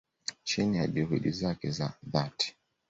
chini ya juhudi zake za dhati